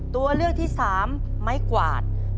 ตัวเลือกที่๓ไม้กวาด